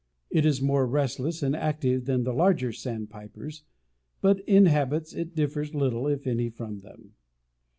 It is more restless and active than the larger Sandpipers, but in habits it differs little, if any, from them.